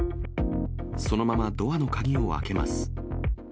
そのままドアの鍵を開けます。